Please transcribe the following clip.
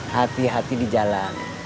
hati hati di jalan